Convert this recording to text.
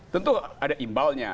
tentu ada imbalnya